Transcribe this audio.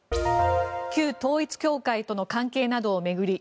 旧統一教会との関係などを巡り